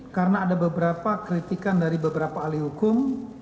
karena ada beberapa kritikan dari beberapa ahli hukum